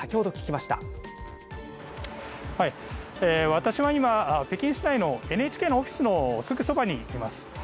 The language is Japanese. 私は今、北京市内のＮＨＫのオフィスのすぐそばにいます。